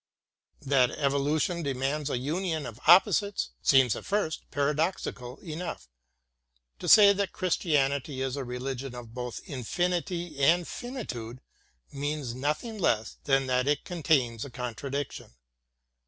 That evolution demands a union of opposites seems at first paradoxical enough. To say that Christianity is a religion of both infinity and finitude means nothing less than that it contains a contradiction.